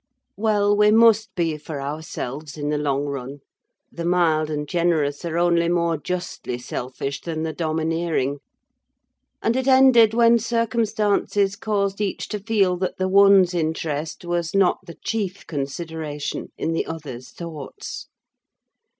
Well, we must be for ourselves in the long run; the mild and generous are only more justly selfish than the domineering; and it ended when circumstances caused each to feel that the one's interest was not the chief consideration in the other's thoughts.